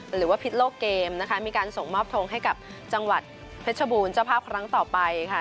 หรือว่าพิษโลกเกมนะคะมีการส่งมอบทงให้กับจังหวัดเพชรบูรณ์เจ้าภาพครั้งต่อไปค่ะ